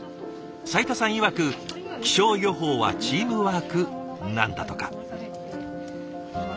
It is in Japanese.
斉田さんいわく「気象予報はチームワーク」なんだとか。